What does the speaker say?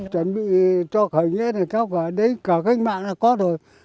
chuẩn bị cho khởi nghĩa cho cờ đấy cờ cách mạng là có rồi